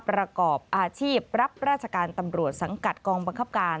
ประกอบอาชีพรับราชการตำรวจสังกัดกองบังคับการ